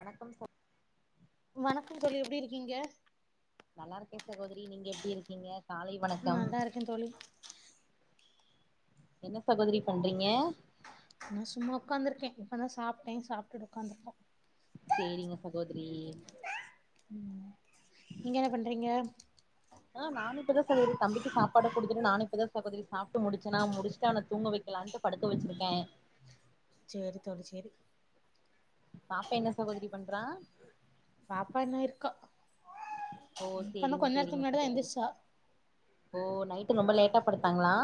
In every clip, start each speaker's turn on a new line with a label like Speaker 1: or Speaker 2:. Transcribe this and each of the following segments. Speaker 1: வணக்கம் சார்
Speaker 2: வணக்கம் தோழி எப்டி இருக்கீங்க
Speaker 1: நல்லா இருக்க சகோதரி நீங்க எப்டி இருக்கீங்க காலை வணக்கம்
Speaker 2: [unintelligible] தோழி
Speaker 1: என்ன சகோதரி பண்றீங்க
Speaker 2: நா சும்மா உக்காந்துருக்கே இப்பதா சாப்ட்டே சாப்ட்டு உக்காந்துருக்கோ
Speaker 1: சேரிங்க சகோதிரி
Speaker 2: ம் நீங்க என்ன பண்றீங்க
Speaker 1: ஆ நானு இப்பதா சகோதரி தம்பிக்கு சாப்பாடு குடுத்துட்டு நானு இப்பதா சகோதரி சாப்ட்டு முடிச்சனா முடிஷ்ட்டு அவன தூங்க வெக் விலான்ட்டு படுக்க வச்சிருக்கே
Speaker 2: சேரி தோழி சேரி
Speaker 1: பாப்பா என்ன சகோதரி பண்றா
Speaker 2: பாப்பா இன்னு இருக்கோ
Speaker 1: ஓ
Speaker 2: இப்பதா
Speaker 1: சேரிங்க
Speaker 2: கொஞ்சோ நேரத்துக்கு
Speaker 1: சேரிங்க
Speaker 2: முன்னாடிதா
Speaker 1: சகோதரி
Speaker 2: எந்துரிச்சா
Speaker 1: ஓ நைட்டு ரொம்ப லேட்டா படுத்தாங்ளா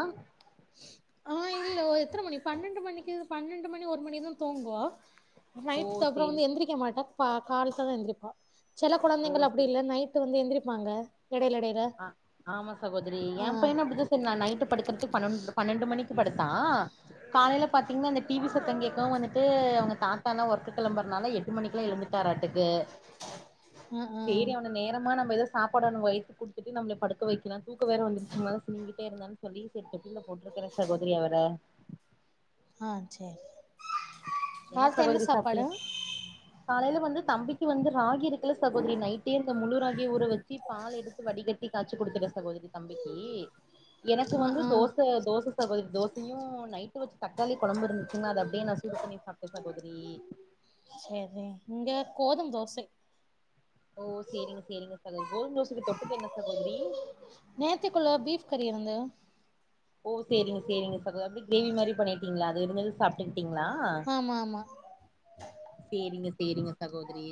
Speaker 2: ஆ இல்ல எத்தன மணி பன்னெண்டு மணிக்கு பன்னெண்டு மணி ஒரு மணிதா தூங்குவோ
Speaker 1: ஓ
Speaker 2: நைட்டுக்கு அப்றோ
Speaker 1: சேரி
Speaker 2: வந்து எந்திரிக்க மாட்டோ காலத்ததா எந்திரிப்போ சில
Speaker 1: ஓ
Speaker 2: கொழந்தைங்களா
Speaker 1: சே
Speaker 2: அப்டி இல்ல நைட் வந்து எந்திரிப்பாங்க எடையில எடையில
Speaker 1: ஆ ஆமா சகோதரி ஏ
Speaker 2: ஆ
Speaker 1: பையனு அப்டிதா செஞ்சா நைட்டு படுக்கிறதுக்கு பண்ணோன் பன்னெண்டு மணிக்கு படுத்தா காலேயில பாத்திங்கன்னா அந்த டிவி சத்தோ கேக்கவு வந்துட்டு அவங்க தாத்தா லா ஒர்க்கு கிளம்புறனால எட்டு மணிக்கெலா எழுந்துட்டாராடுக்கு
Speaker 2: ஆ ஆ
Speaker 1: சேரி அவன நேரமா நம்ம எதோ சாப்பாடு அவ வைத்துக் குடுத்துட்டு நம்மள படுக்க வைக்கலா தூக்கோ வேற வந்துருச்சுங்ளா சினிங்கிட்டே இருந்தானு சொல்லி சரி தொட்டில போட்டுருக்கறே சகோதரி அவர
Speaker 2: ஆ சேரி காத்த என்ன
Speaker 1: சகோதரி சாப்ட்டீங்க
Speaker 2: சாப்பாடு
Speaker 1: காலையில வந்து தம்பிக்கு வந்து ராகி இருக்குல சகோதரி நைட்டே இந்த முழு ராகிய ஊற வச்சு பால் எடுத்து வடிகட்டி காச்சி குடுத்துறே சகோதரி தம்பிக்கு எனக்கு
Speaker 2: ஆ
Speaker 1: வந்து
Speaker 2: ஆ
Speaker 1: தோச தோச சகோதரி தோசயு நைட்டு வச்ச தக்காளி குழம்பு இருந்துச்சுன்னு அது அப்டியே நா சூடு பண்ணி சாப்ட்டே சகோதரி
Speaker 2: சரி இங்க கோதும தோசை
Speaker 1: ஓ சேரிங்க சேரிங்க சகோதரி கோதும தோசைக்கு தொட்டுக்க என்ன சாகோதரி
Speaker 2: நேத்துக்குள்ள பீஃப் கறி இருந்து
Speaker 1: ஓ சேரிங்க சேரிங்க சகோதரி அப்டி கிரேவி மாரி பண்ணிடீங்ளா அது இருந்தது சாப் ட்டீங்களா
Speaker 2: ஆமா ஆமா
Speaker 1: சேரிங்க சேரிங்க சகோதரி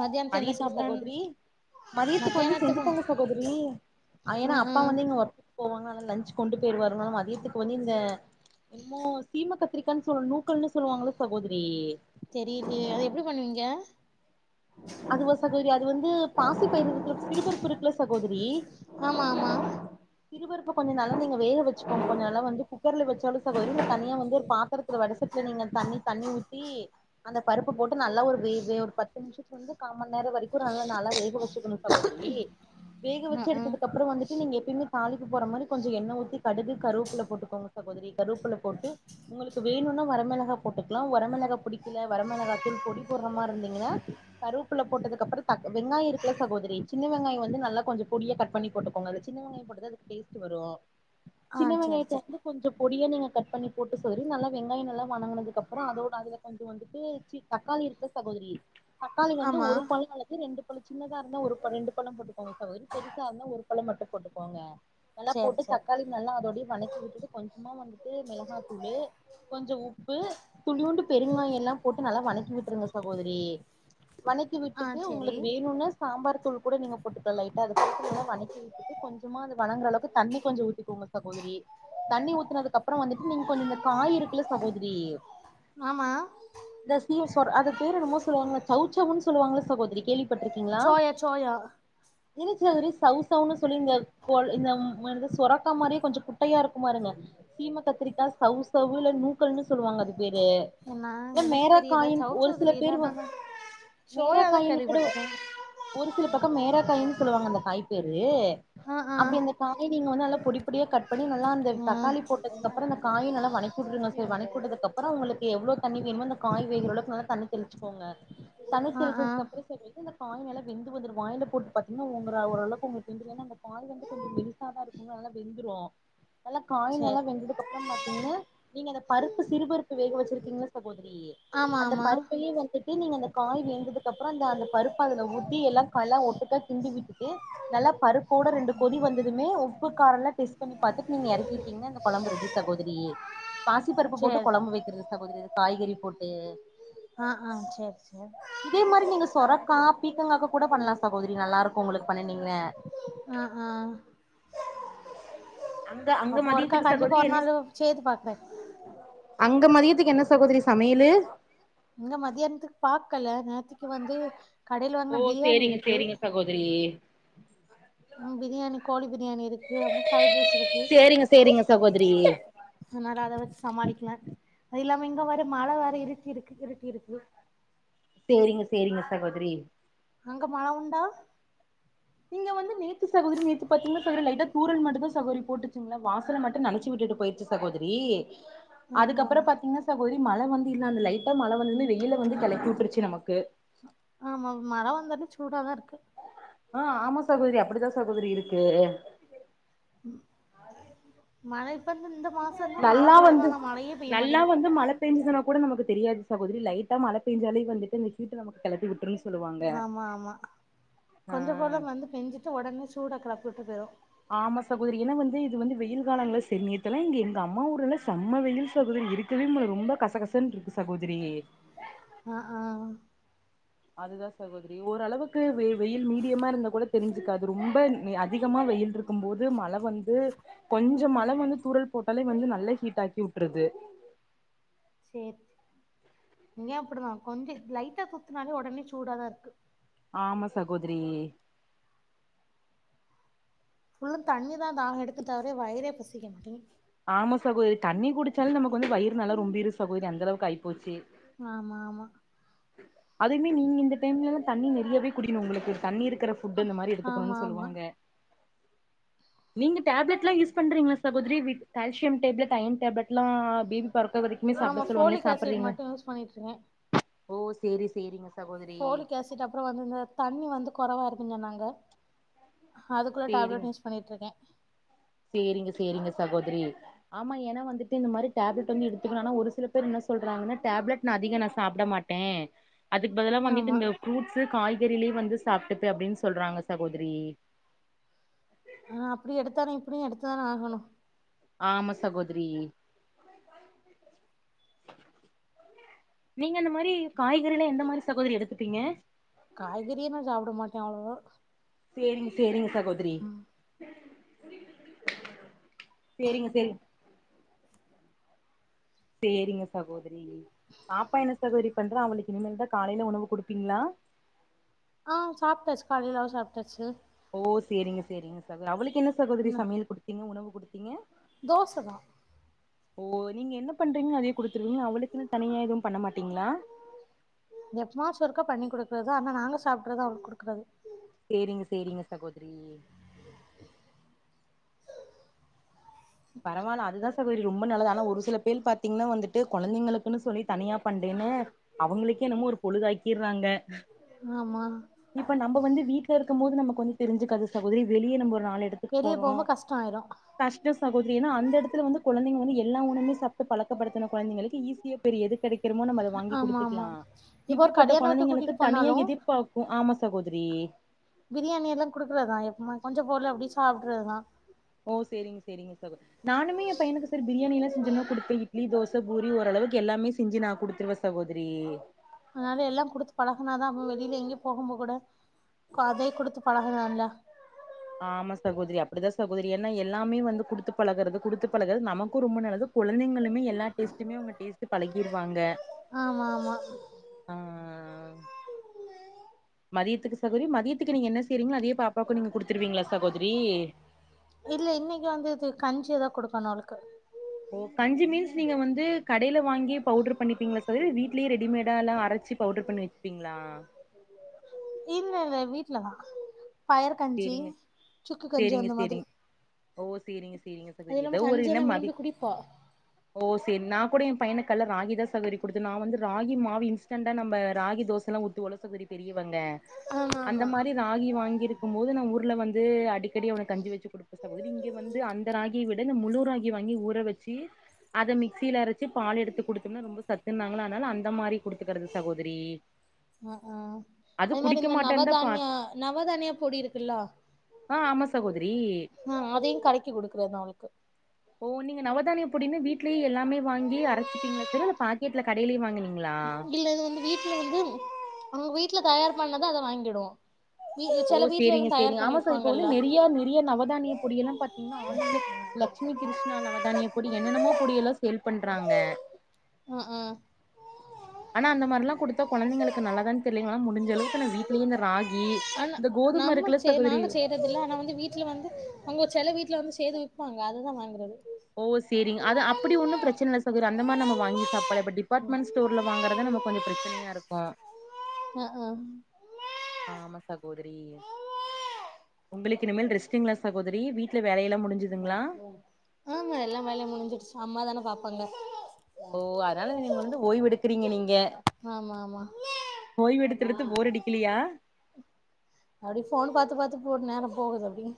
Speaker 2: மத்தியானத்து என்ன
Speaker 1: மதியத்துக்கு
Speaker 2: சாப்டலான்
Speaker 1: சகோதரி மதியத்துக்கு வந்து
Speaker 2: மத்தியானத்துக்கு
Speaker 1: செஞ்சுத்தாங்க சகோதரி ஏன்னா
Speaker 2: ம்
Speaker 1: அப்பா
Speaker 2: ம்
Speaker 1: வந்து இங்க ஒர்க் போவாங்க லஞ்ச் கொண்டு போயிருவாரு மதியத்துக்கு வந்து இந்த இனமோ சீமக்க கத்திரிக்கானு சொல் நூக்கல்ன்னு சொல்லுவாங்கள சகோதரி
Speaker 2: தெரியலயே அத எப்டி பண்ணுவீங்க
Speaker 1: அது ஒரு சகோதரி அது வந்து பாசி பயறு சிறுபறுப்புருக்குள்ள சகோதரி
Speaker 2: ஆமா ஆமா
Speaker 1: சிறுபருப்பு கொஞ்சோ நல்லா நீங்க வேக வச்சுக்கோங்க கொஞ்ச நல்லா வந்து குக்கர்ல வச்சாலு சகோதரி இல்ல தனியா வந்து ஒரு பாத்திரத் வட சட்டில நீங்க தண்ணி தண்ணி ஊத்தி அந்த பருப்பு போட்டு நல்லா ஒரு வேகு பத்து நிமிஷத்து வந்து காமணி நேரோ வரைக்கு நல்ல நல்லா வேக வச்சுக்கணு சகோதரி வேக வச்சு
Speaker 2: ம் ம்
Speaker 1: எடுத்ததுக்கு அப்புறோ வந்து நீங்க எப்பயுமே தாளிக்க போற மாரி கொஞ்சே எண்ண ஊத்தி கருவப்புல போட்டுக்கோங்க சகோதரி கருவப்புல போட்டு உங்களுக்கு வேணுன்னா வரமிளகா போட்டுக்லா வரமிளகா பிடிக்கல வரமிளகா தூள் பொடி போடுற மாரி இருந்தீங்கன்னா கருவப்புள்ள போட்டதுக்கு அப்புறோ தக் வெங்காயோ இருக்குல சகோதரி சின்ன வெங்காயோ வந்து நல்லா கொஞ்சோ பொடியா கட் பண்ணி போட்டுக்கோங்க சின்ன வெங்காயோ போட்டா தா டேஸ்ட்டு வரு
Speaker 2: ஆ
Speaker 1: சின்ன
Speaker 2: சேரி
Speaker 1: வெங்காயத்த
Speaker 2: சேரி
Speaker 1: வந்து கொஞ்சோ பொடியா நீங்க கட் பண்ணி போட்டு சேரி நல்லா வெங்காயோ நல்லா வணங்குனதுக்கப்புறோ அதோட அதுல கொஞ்சோ வந்துட்டு சி தக்காளி இருக்குல சகோதரி தக்காளி வந்து
Speaker 2: ஆமா
Speaker 1: ஒரு பழோ அல்லது ரெண்டு பழோ சின்னதா இருந்தா ஒரு ரெண்டு பழோ போட்டுக்கோங்க சகோதரி பெருசா இருந்தா ஒரு பழோ மட்டு போட்டுக்கோங்க நல்லா
Speaker 2: சேரி
Speaker 1: போட்டு
Speaker 2: சேரி
Speaker 1: தக்காளி நல்லா அதோட வதக்கி விட்டுட்டு கொஞ்சமா வந்துட்டு மிளகாதூளு கொஞ்சோ உப்பு துளியூண்டு பெருங்காயோல்லா போட்டு நல்லா வனக்கி விட்டுருங்க சகோதரி வணக்கி
Speaker 2: ஆ
Speaker 1: விட்டுட்டு
Speaker 2: சேரி
Speaker 1: உங்களுக்கு வேணுன்னா சாம்பார் தூளு கூட நீங்க போட்டுகலா லைட்டா அத போட்டு நல்லா வணக்கி வி ட்டு கொஞ்சமா அது வணங்குற அளவுக்கு தண்ணி கொஞ்சோ ஊதிக்கோங்க சகோதரி தண்ணி ஊத்துனதுக்கு அப்றோ வந்துட்டு நீங்க கொஞ்சோ இந்த காய் இருக்குல சகோதரி
Speaker 2: ஆமா
Speaker 1: இந்த [unintelligible] அது பேரு என்னமோ சொல்லுவாங்க சௌவ் சௌவ்னு சொல்லுவாங்கலே சகோதரி கேள்விப்பட்ரு
Speaker 2: சோயா சோயா
Speaker 1: [unintelligible] சௌவ் சௌவ்ன்னு சொல்லி இந்த பொல் இந்த மரு தா சொரக்கா மாரியே கொஞ்ச குட்டையா இருக்கு பாருங்க சீம கத்திரிக்கா சௌவ் சௌவ் இல்ல நூக்கல்ன்னு சொல்லுவாங்க அது பேரு
Speaker 2: என்னா
Speaker 1: இ ல்ல
Speaker 2: எனக்கு தெரியல
Speaker 1: மேராக்காயின் ஒரு
Speaker 2: சௌசௌவ்
Speaker 1: சில
Speaker 2: தெரியல
Speaker 1: பேர் வ
Speaker 2: ஆனா நா சோயா தா
Speaker 1: மேராக்காயின் கூட
Speaker 2: கேள்விப்பட்ருக்கே
Speaker 1: ஒரு சில பக்கம் மேரக்காய்னு சொல்லுவாங்க அந்த காய் பேரு
Speaker 2: ஆ ஆ
Speaker 1: அப்டி அந்த காய் நீங்க வந்து பொடிபொடியா கட் பண்ணி நல்லா இந்த
Speaker 2: ஆ
Speaker 1: தக்காளி போட்டதுக்கப்றோ இந்த காய நல்லா வணக்கி உட்ருங்க [unintelligible] வணக்கி உட்டதுக்கப்றோ உங்களுக்கு எவ்ளோ தண்ணி வேணுமோ இந்த காய் வேகுறளவுக்கு தண்ணி தெளிச்சுகோங்க தண்ணி
Speaker 2: ஆ ஆ
Speaker 1: தெளிசதுக்கப்றோ [unintelligible] அந்த காய் நல்லா வெந்து வந்துரு வாய்ல போட்டு பாத்தீங்கன்னா உங்கர ஓரளவுக்கு உங்களுக்கு [unintelligible] அந்த காய் வந்து கொஞ்ச மெலி சா தா இருக்குங்க நல்லா வெந்துரு நல்ல காய் நல்லா
Speaker 2: சேரி
Speaker 1: வெந்ததுக்கப்றோ பா த்திங்ன்னா நீங்க அந்த பருப்பு சிறுபருப்பு வேக வெச்சிருக்கீங்கல்ல சகோதரி
Speaker 2: ஆமா
Speaker 1: அந்த
Speaker 2: ஆமா
Speaker 1: பருப்பயு திருப்பி நீங்க அந்த காய் வெந்ததுக்கு அப்ற அந்த அந்த பருப்பு அதுல ஊத்தி எல்லா கல்லா ஒட்டுக்க கிண்டி விட்டுட்டு நல்லா பருப்போட ரெண்டு கொதி வந்ததுமே உப்புக்காரல்லா டெஸ்ட் பண்ணி பாத்துட்டு நீங்க எறக்கிட்டீ ங்கனா இந்த கொழம்பு ரெடி சகோதரி பாசி பருப்பு போட்டு
Speaker 2: சேர்
Speaker 1: கொழம்பு வெக்கிறது சகோதரி இது காய்கறி போட்டு
Speaker 2: ஆ ஆ சேர் சேர்
Speaker 1: இதே மாரி நீங்க சொரக்கா பீக்கங்காக்கு கூட பண்லா சகோதரி நல்லாருக்கு உங்களுக்கு பண்ணுனீங்க
Speaker 2: அ ஆ
Speaker 1: அங்க அங்க
Speaker 2: அப்போ ஒருக்கா
Speaker 1: மதியத்துக்கு
Speaker 2: கண்டிப்பா
Speaker 1: சகோதரி
Speaker 2: ஒரு
Speaker 1: என்ன
Speaker 2: நாள்
Speaker 1: ச
Speaker 2: செய்து பாக்குறே
Speaker 1: அங்க மதியத்துக்கு என்ன சகோதரி சமையலு
Speaker 2: இங்க மத்தியான்த்துக்கு பாக்கல நேத்திக்கு வந்து கடைய்ல வாங்ன பிரியாணி இருக்கு
Speaker 1: செரி
Speaker 2: ம் பிரியாணி கோழி பிரியாணி இருக்கு அப்ற ஃப்ரைட் ரைஸ் இருக்கு
Speaker 1: சேரிங்க சேரிங்க சகோதரி
Speaker 2: அதனால அத வெச்சு சமாளிக்கலா அது இல்லாம இங்க வேற மழ வேற இருட்டிருக்கு இருட்டிருக்கு
Speaker 1: சேரிங்க சேரிங்க சகோதரி
Speaker 2: அங்க மழ உண்டா
Speaker 1: இங்க வந்து நேத்து சகோதரி நேத்து பாத்தீங்ன்னா சகோத்ரி லைட்டா தூறல் மட்டு தா சகோத்ரி போட்டுச்சுங்ளா வாசல மட்டு நனைச்சு உட்டுட்டு போய்ருச்சு சகோதரி
Speaker 2: ஆ ஆ
Speaker 1: அதுக்கப்றோ பாத்தீங்ன்னா சகோதரி மழ வந்து இல்ல அந்த லைட்டா மழ வந்து இந்த வெயில வந்து கெளப்பி விட்ருச்சு நமக்கு
Speaker 2: ஆமா மழ வந்தது சூடாதா இருக்கு
Speaker 1: ஆ ஆமா சகோத்ரி அப்டிதா சகோதரி இருக்கு
Speaker 2: மழ இப்பந்து இந்த மாசந்தா மழ பெய்யணு ஆனா மழயே பெய்ய மாட்டிங்
Speaker 1: பேஞ்சதுனா கூட நமக்கு தெரியாது சகோதரி லைட்டா மழ பேஞ்சாலே வந்துட்டு இந்த ஹீட்டு நமக்கு கெழப்பி விட்ரு
Speaker 2: ஆமா ஆமா கொஞ்ச
Speaker 1: ஆ
Speaker 2: போல வந்து பேஞ்சிட்டு ஒடனே சூட கெழப்பி உட்டு போய்ரு
Speaker 1: ஆமா சகோதரி ஏனா வந்து இது வந்து வெயில் காலங்கள செ நேத்தெல்லா இங்க எங்க அம்மா ஊர்ல செம்ம வெயில் சகோதரி இருக் கவே முல ரொம்ப கசகசன்ட்ருக்கு சகோதரி
Speaker 2: அ ஆ
Speaker 1: அதுதா சகோத ரி ஓரளவுக்கு வெயில் வெயில் மீடியமா இருந்த கூட தெரிஞ்சுக்காது ரொம்ப அதிகமா வெயில்ட்ருக் கும் போது மழ வந்து கொஞ்ச மழ வந்து தூறல் போட்டாலே வந்து நல்லா ஹீட் ஆக்கி உட்ருது
Speaker 2: சேர் இங்க அப்டிதா கொஞ்ச லைட்டா தூத்துனாலே ஒடனே சூடாதா இருக்கு
Speaker 1: ஆமா சகோதிரி
Speaker 2: ஃபுல்லு தண்ணி தா தாக எடுக்கு தவிர வயிரே பசிக்க மாட்டிங்கு
Speaker 1: ஆமா சகோதரி தண்ணி குடிச்சால் நமக்கு வந்து வயிறு நல்லா ரொம்பிருது சகோதரி அந்தளவுக்கு ஆய் போச்சி
Speaker 2: ஆமா ஆமா
Speaker 1: அதுவுமே நீங்க இந்த டைம்லெலாத் தண்ணி நெறியவே குடிகிணு உங்ளுக்கு தண்ணி இருக் க்கிற ஃபுட்டு இந்த மாரி
Speaker 2: ஆமா
Speaker 1: எடுத்துக்குணுனு
Speaker 2: ஆமா
Speaker 1: சொல்லுவாங்க நீங்க டேப்லெட்லா யூஸ் பண்றீங்ள சகோதிரி with calcium tablet iron tablet ட்லா பேபி பெறக்க வரைக்குமே சாப்ட சொல்வாங்ளே சாப்பர்றீங்லே
Speaker 2: போயிட்ருகே
Speaker 1: ஓ சேரி சேரிங்க சகோதரி
Speaker 2: ஃபோலிக் ஆசிட் அப்றோ வந்து இந்த தண்ணி வந்து கொறவா இருக்குஞ் சொன்னாங்க அதுக்குள்ள
Speaker 1: சேரிங்
Speaker 2: டேப்லெட் யூஸ் பண்ணிட்ருக்கே
Speaker 1: சேரிங்க சேரிங்க சகோத்ரி ஆமா என வந்துட்டு இந்த மாரி டேப்லெட் வந்து எடுத்துகுனு ஆனா ஒரு சில பேர் என்ன சொல்றாங்கனா டேப்லெட் நா அதிக நா சாப்ட மாட் டே அதுக் பதுலா வந்திட்டு
Speaker 2: ஆமா
Speaker 1: இந்த ஃப்ரூட்ஸு காய்கறிலேயே வந்து சாப்ட்டுப்பே அப்டின் சொல்றாங்க சகோதிரி
Speaker 2: ஆ அப்டி எடுத்தானே இப்டியு எடுத்தானே ஆகணு
Speaker 1: ஆமா சகோதிரி நீங்க அந்த மாரி காய்கறில எந்த மாரி சகோதரி எடுத்துப்பீங்க
Speaker 2: காய்கறியே நா சாப்ட மாட்டே அவ்ளோவா
Speaker 1: சேரிங்க சேரிங்க சகோதிரி சேரிங்க சேரி சேரிங்க சகோதிரி பாப்பா என்ன சகோதரி பண்றா அவளுக்கு இனிமேல்தா காலைல உணவு குடுப்பீங்ளா
Speaker 2: ஆ சாப்டாச்சு காலைல அவெ சாப்டாச்சு
Speaker 1: ஓ சேரிங்க சேரிங்க சகோ அவளுக்கு என்ன சகோதரி சமையல் குடுத்தீங்க உணவு குடுத்தீங்க
Speaker 2: தோசதா
Speaker 1: ஓ நீங்க என்னப் பண்றீங்கன் அதையே குடுத்துருவீங்ளா அவுளுக்குனு தனியா எதுவும் பண்ண மாட்டீங்ளா
Speaker 2: எப்மாஸ் ஒருக்க பண்ணி குடுக்றது ஆனா நாங்க சாப்ட்றது அவுளுக் குடுக்றது
Speaker 1: சேரிங்க சேரிங்க சகோதிரி பரவால அதுதா சகோதரி ரொம்ப நல்லது ஆனா ஒரு சிலப் பேல் பாத் திங்னா வந்துட்டு கொழந்தைங்களுக்குனு சொல்லி தனியாப் பண்டேனு அவுங்ளுக்கே என்னமோ ஒருப் பொழுதாக்கிர்றாங்க
Speaker 2: [unintelligible]
Speaker 1: இப்ப நம்ப வந்து வீட்ல இருக்கம்மோது நமக்கு வந்து தெரிஞ்சிக்காது சகோதரி வெளியே நம்ப ஒரு நாளு எடத்துக்கு போர்
Speaker 2: துபோம்போ கஷ்டாயிரு
Speaker 1: கஷ்டுஷ் சகோதிரி எனா அந்த எடத்துல வந்து கொழந்தைங்க வந்து எல்லா உணவுமே சாப்ட்டு பழக்கப்படுத்துன கொழந்தைகளுக்கு ஈஸியா பெரி எது கெடைக் கிறமோ நம்ம அத வாங்கி
Speaker 2: ஆமா ஆமா
Speaker 1: குடுத்துக்லா
Speaker 2: இப்போ ஒரு
Speaker 1: இப்பிடிபட்ட
Speaker 2: கல்யாண வீட்டுக்கு கூட்டிட்டு
Speaker 1: கொழந்தைங்களுக்குத் தனியா
Speaker 2: போனாலு
Speaker 1: எதிர்பாப் பு ஆமா சகோதிரி
Speaker 2: பிரியாணியிலாக் குடுக்றதா எப்பமாச்சு கொஞ்ச பொருள அப்டியே சாப்ட்றதா
Speaker 1: ஓ சேரிங்க சேரிங்க சகோ நானுமே எம் பையனுக்கு செரி பிரியாணியிலா செஞ்சனா குடுப்பே இட்லி தோச பூரி ஓரளவுக்கு எல்லாமே செஞ்சு நா குடுத்துருவேச் சகோதிரி
Speaker 2: அதனால எல்லாங் குடுத்து பழகனாதா அப்ப வெளில எங்கியுப் போகும்போ கூட கொ அதேக் குடுத்துப் பழகலாம்லா
Speaker 1: ஆமா சகோதிரி அப்டிதா சகோதரி என்ன எல்லாமே வந்து குடுத்து பழகறது குடுத்து பழகறது நமக்கு ரொம்ப நல்லதுக் குழந்தைகளுமே எல்லா டேஸ்ட்டுமே அவுங்க டேஸ்ட்டு பழகிருவாங்க
Speaker 2: ஆமா ஆமா
Speaker 1: ஆ மதியதுக்கு சகோரி மதியதுக்கு நீங்க என்ன செய்றீங்ளோ அதியேப் பாப்பாக்கு நீங்க குடுத்துருவீங்ளா சகோதிரி
Speaker 2: இல்ல இன்னிக்கி வந்து இது கஞ்சிதா குடுக்கனு அவளுக்கு
Speaker 1: ஓ கஞ்சி மீன்ஸ் நீங்க வந்து கடையில வாங்கி பவுடர் பண்ணிப்பீங்களா சகோதரி வீட்லயே ரெடிமேடா எல்லா அரச்சு பவுடர் பண்ணி வெச்சுப்பீங்களா
Speaker 2: இல்ல இல்ல வீட்லதா பயர் கஞ்சி
Speaker 1: சேரிங்க
Speaker 2: சுக்கு கஞ்சி
Speaker 1: சேரிங்க
Speaker 2: அந்த மாதிரி
Speaker 1: சேரிங்க ஓ சேரிங்க சேரிங்க
Speaker 2: அது
Speaker 1: சகோதரி
Speaker 2: இல்லாம
Speaker 1: ஏதோ ஒரு
Speaker 2: கஞ்சி
Speaker 1: என்ன
Speaker 2: எல்லா
Speaker 1: மதி
Speaker 2: விரும்பி குடிப்பா
Speaker 1: ஓ செரி நா கூட ஏ பையனுக்கு கால்ல ராகிதா சகோதரி குடுத்தே நா வந்து ராகி மாவு இன்ஸ்டண்டா நம்ம ராகி தோசல்லா ஊத்துவோங்கல்ல சகோதரி பெரியவங்க
Speaker 2: ஆமா
Speaker 1: அந்த
Speaker 2: ஆமா
Speaker 1: மாரி ராகி வாங்கிருக்கும் போது நா ஊர்ல வந்து அடிக்கடி அவனுக்கு கஞ்சி வெச்சு குடுப்ப சகோதரி இங்க வந்து அந்த ராகிய விட இந்த முழு ராகி வாங்கி ஊற வெச்சு அத மிக்சியில அரச்சு பால் எடுத்து குடுத்தோம்னா ரொம்ப சத்துனாங்களா அதனால அந்த மாரி குடுத்துக்கறது சகோதரி [inaudible]
Speaker 2: ஆ ஆ அது மாரி
Speaker 1: குடிக்க
Speaker 2: இந்த
Speaker 1: மாட்டேன்தா பா
Speaker 2: நவதானியா நவதானியா பொடி இருக்குல்லா
Speaker 1: ஆ ஆமா சகோதரி
Speaker 2: ஆ அதையு கரைக்கி குடுக்கறது தா அவளுக்கு
Speaker 1: ஓ நீங்க நவதானிய பொடின்னு வீட்லயே எல்லாமே வாங்கி அரச்சுப்பீங்களா ச பா ட்ல கடையிலையே வாங்கினீங்களா
Speaker 2: [inaudible] [inaudible] வந்து அவங்க வீட்ல தயார் பண்ணதா அத வாங்கிடுவோ வீ
Speaker 1: ஓ
Speaker 2: செல வீட்ல எல்லா
Speaker 1: சேரிங்க
Speaker 2: தயார்
Speaker 1: சேரிங்க
Speaker 2: பண்ணி
Speaker 1: ஆமா சார் இப்ப வந்து
Speaker 2: விப்பாங்கல்ல
Speaker 1: நெறிய நெறிய நவதானிய பொடி எல்லா பாத்தீங்கன்னா ஆன்ல லக்ட்சுமி கிருஷ்ணா நமவதானிய பொடி என்னென்னமோ பொடி எல்லா சேல் பண்றாங்க
Speaker 2: ஆ ஆ
Speaker 1: ஆனா அந்த மாரில்லா குடுத்தா கொழந்தைங்களுக்கு நல்லாதானான்னு தெரிலிங்கள முடிஞ்ச அளவுக்கு நா வீட்லயே இந்த ராகி
Speaker 2: ஆன
Speaker 1: இந்த கோதும
Speaker 2: நம்ம
Speaker 1: இருக்குல
Speaker 2: செய்
Speaker 1: சகோதரி
Speaker 2: நாங்க செய் வந்து வீட்ல வந்து அவங்க செல வீட்ல வந்து செய்து விப்பாங்க அததா வாங்கறது
Speaker 1: ஓ சேரிங் அது அப்டி ஒன்னு பிரச்சன இல்ல சகோதரி அந்த மாரி நம்ம வாங்கி சாப் பல இப்ப டிப்பார்ட்மெண்ட் ஸ்டோர்ல வாங்கறதா நம கொஞ்சோ பிரச்சனைய இருக்கு
Speaker 2: ஆ ஆ
Speaker 1: ஆமா சகோதிரி உங்களுக்கு இனிமேல் ரெஸ்ட்டுங்களா சகோதரி வீட்ல வேலை எல்லா முடிச்
Speaker 2: ஆமா எல்லா வேலையு முடிஞ்சிடுச்சு அம்மாதானே பாப்பாங்க
Speaker 1: ஓ அதனால நீ உங்க வந்து ஓய்வு எடுக்கறீங்க நீங்க
Speaker 2: ஆமா ஆமா
Speaker 1: ஓய்வு எடுத்தடுத்து போர் அடி கில்லியா
Speaker 2: அப்டி ஃபோன் பாத்து பாத்து போட்டு நேர போகுது அப்டியே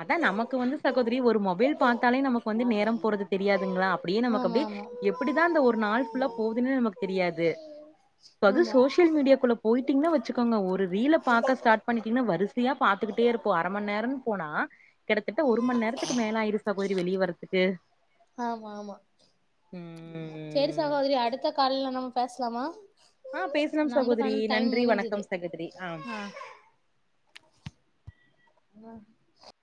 Speaker 1: அதா நமக்கு வந்து சகோதரி ஒரு மொபைல் பாத்தாலே நமக்கு வந்து நேரம் போறது தெரியாதுங்களா அப்டியே நமக்கு
Speaker 2: ஆமா
Speaker 1: அப்டியே
Speaker 2: ஆமா
Speaker 1: எப்டிதா அந்த ஒரு நாள் ஃபுல்லா
Speaker 2: ம்
Speaker 1: போகுதுன்னே நமக்கு தெரியாது அது சோசி
Speaker 2: ஆமா
Speaker 1: சோஷியல் மீடியாக்குள்ள போய்டிட்டிங்கன்னா வெச்சக்கோங்க ஒரு ரீல பாக்க ஸ்டார்ட் பண்ணிட்டிங்கன்னா வரிசையா பாத்துக்கிட்டே இருப்போ அர மண் நே போனா கிட்டத்தட்ட ஒரு மண் நேரத்துக்கு மேல ஆயிரு சகோதரி வெளிய வர்ரதுக்கு
Speaker 2: ஆமா ஆமா சேரி
Speaker 1: ம்
Speaker 2: சகோதரி அடுத்த கால்ல நம்ம பேசலாமா
Speaker 1: ஆ பேசலாம் சகோதரி
Speaker 2: நம்மளுக்கான டைம்
Speaker 1: நன்றி
Speaker 2: முடிஞ்சது
Speaker 1: வணக்கம் சகோதரி
Speaker 2: ஆ [unintelligible]